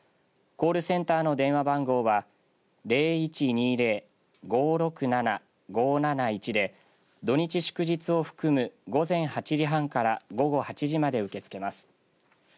コールセンターの電話番号は０１２０‐５６７‐５７１で土日祝日を含む午前８時半から午後８時まで受け付けます。